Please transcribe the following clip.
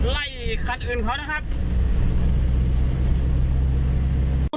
ไล่คันอื่นเขานะครับ